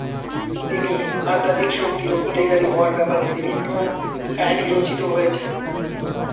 তিনি আধ্যাত্মিক শক্তির অধিকারী হওয়ার ব্যাপারে বিভিন্ন কাহিনী রচিত হয়েছে।